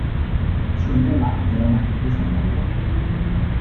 Su emblema era una cruz de Santiago roja.